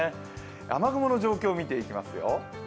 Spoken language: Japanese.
雨雲の状況を見ていきますよ。